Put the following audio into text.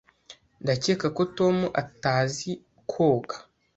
Ndakeka ko Tom atazi koga.